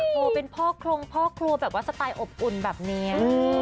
โอ้โหเป็นพ่อโครงพ่อครัวแบบว่าสไตล์อบอุ่นแบบนี้